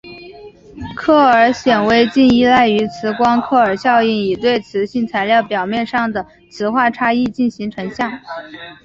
克尔显微镜依赖于磁光克尔效应以对磁性材料表面上的磁化差异进行成像。